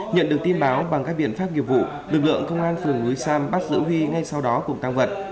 nhận được tin báo bằng các biện pháp nghiệp vụ lực lượng công an phường núi sam bắt giữ huy ngay sau đó cùng tăng vật